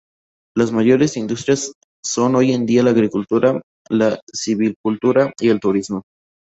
Las mayores industrias son hoy en día la agricultura, la silvicultura y el turismo.